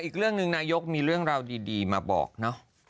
อีกเรื่องหนึ่งนายกมีเรื่องราวดีมาบอกเนอะ